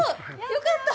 よかった！